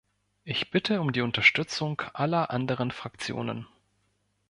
Ich bitte um die Unterstützung aller anderen Fraktionen.